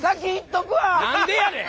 何でやねん！